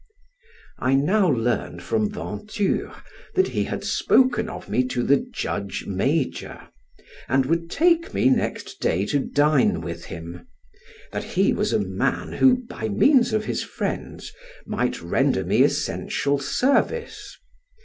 I now learned from Venture that he had spoken of me to the Judge Major, and would take me next day to dine with him; that he was a man who by means of his friends might render me essential service.